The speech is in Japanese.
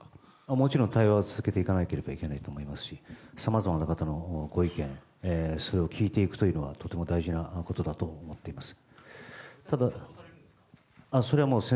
もちろん対話は続けていかなければいけないと思いますしさまざまな方のご意見を聞いていくというのはとても大事なことだと思っています。